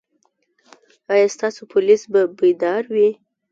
ایا ستاسو پولیس به بیدار وي؟